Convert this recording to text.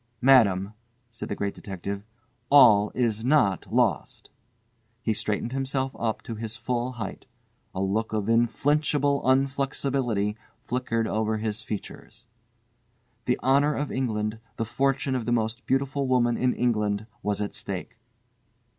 "Madame," said the Great Detective, "all is not lost." He straightened himself up to his full height. A look of inflinchable unflexibility flickered over his features. The honour of England, the fortune of the most beautiful woman in England was at stake.